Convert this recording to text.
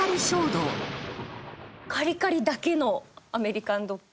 カリカリだけのアメリカンドッグっていう。